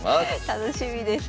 楽しみです。